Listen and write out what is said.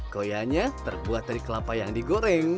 koyanya terbuat dari kelapa yang digoreng